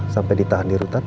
sampai ditahan di rutan